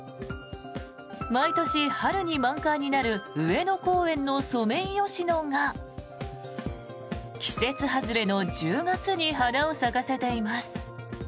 毎年、春に満開になる上野公園のソメイヨシノが季節外れの１０月に花を咲かせています。